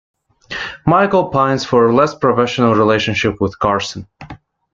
Michael pines for a less-professional relationship with Carson.